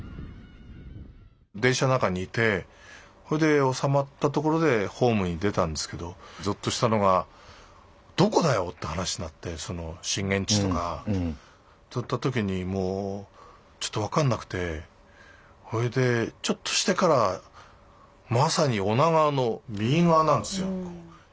電車の中にいてほいで収まったところでホームに出たんですけどゾッとしたのがどこだよって話になってその震源地とかといった時にもうちょっと分かんなくてほいでちょっとしてからまさに女川の右側なんですよ。